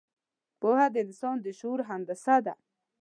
پوهه د انسان د شعور هندسه ده.